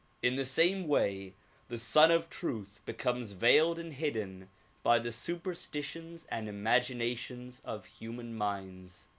In the same way the Sun of Truth becomes veiled and hidden by the superstitions and imaginations of human minds.